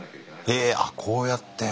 へえこうやって。